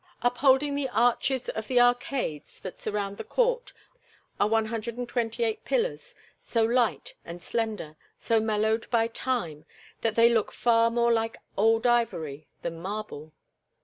Upholding the arches of the arcades that surround the court are 128 pillars so light and slender, so mellowed by time, that they look far more like old ivory than marble.